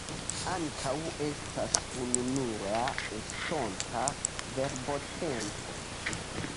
Ankaŭ estas ununura estonta verbotempo.